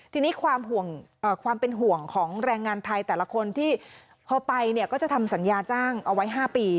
ทีนี้ความเป็นห่วงของแรงงานไทยแต่ละคนที่พอไปเนี่ยก็จะทำสัญญาจ้างเอาไว้๕ปี